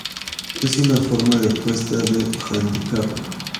Es una forma de apuesta de hándicap.